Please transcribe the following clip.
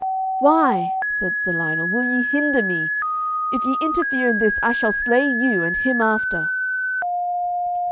"Why," said Sir Lionel, "will ye hinder me? If ye interfere in this, I shall slay you, and him after."